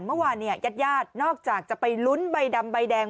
เมื่อวานเนี่ยญาติญาตินอกจากจะไปลุ้นใบดำใบแดง